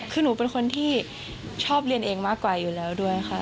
คือหนูเป็นคนที่ชอบเรียนเองมากกว่าอยู่แล้วด้วยค่ะ